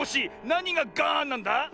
なにがガーンなんだ